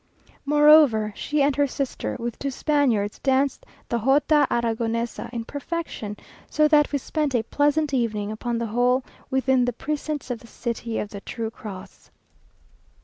Moreover, she and her sister, with two Spaniards, danced the Jota Aragonesa in perfection, so that we spent a pleasant evening, upon the whole, within the precincts of the city of the True Cross.